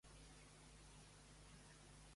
No sobreviurem, fins i tot Hux se n'ha adonat!